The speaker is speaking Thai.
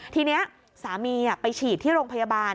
ทีนี้สามีไปฉีดที่โรงพยาบาล